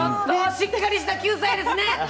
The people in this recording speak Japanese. しっかりした９歳の方ですね。